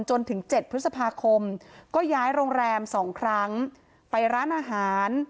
จนถึงเจ็ดพฤษภาคมก็ย้ายโรงแรมสองครั้งไปร้านอาหาร